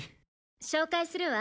紹介するわ。